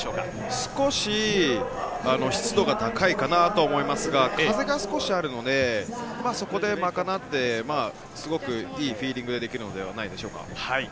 少し湿度が高いかなと思いますが、風が少しあるので、そこでまかなって、すごくいいフィーリングができるんじゃないでしょうか。